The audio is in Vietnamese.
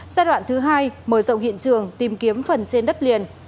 giai đoạn thứ hai mở rộng hiện trường tìm kiếm phần trên đất liền